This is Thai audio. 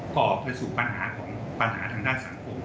ก่อไปสู่ปัญหาของปัญหาทางด้านสังคม